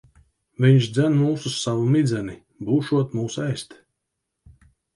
Viņš dzen mūs uz savu midzeni. Būšot mūs ēst.